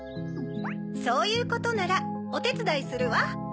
そういうことならおてつだいするわ。